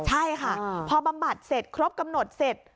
ใช่ค่ะพอบำบัดเสร็จครบกำหนดเสร็จ